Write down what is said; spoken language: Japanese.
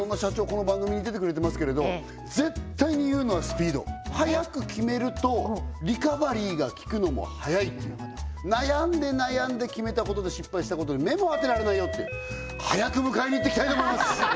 この番組に出てくれてますけれど絶対に言うのはスピード速く決めるとリカバリーがきくのも速い悩んで悩んで決めたことで失敗したことで目も当てられないよって速く迎えに行ってきたいと思います